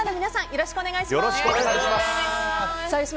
よろしくお願いします。